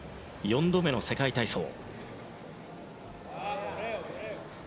４度目の世界体操。